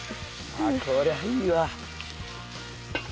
こりゃいいわ。